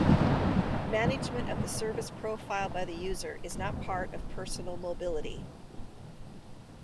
Management of the service profile by the user is not part of personal mobility.